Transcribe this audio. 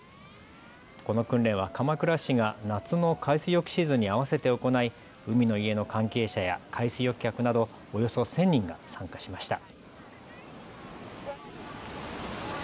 この訓練は鎌倉市が夏の海水浴シーズンに合わせて行い海の家の関係者や海水浴客などおよそ１０００人が参加しました。